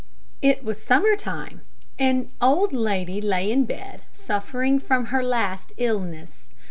It was summer time. An old lady lay in bed suffering from her last illness.